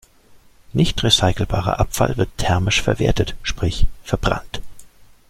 Nicht recycelbarer Abfall wird thermisch verwertet, sprich verbrannt.